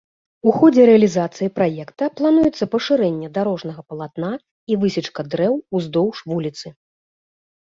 У ходзе рэалізацыі праекта плануецца пашырэнне дарожнага палатна і высечка дрэў ўздоўж вуліцы.